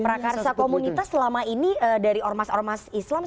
prakarsa komunitas selama ini dari ormas ormas islam